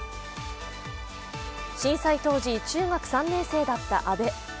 震災当時、中学３年生だった阿部。